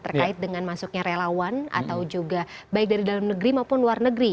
terkait dengan masuknya relawan atau juga baik dari dalam negeri maupun luar negeri